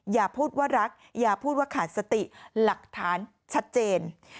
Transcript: อย่าพูดว่ารักอย่าพูดว่าขาดสติหลักฐานชัดเจน